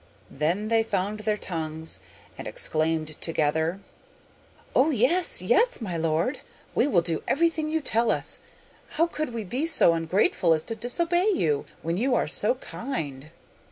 Then they found their tongues, and exclaimed together: 'Oh, yes, yes, my lord! we will do everything you tell us. How could we be so ungrateful as to disobey you, when you are so kind?